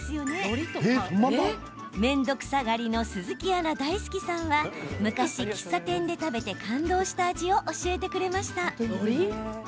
めんどくさがりの鈴木アナ大好きさんは昔、喫茶店で食べて感動した味を教えてくれました。